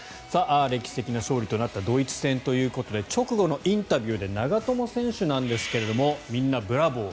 歴史的な勝利となったドイツ戦ということで直後のインタビューで長友選手なんですがみんなブラボー！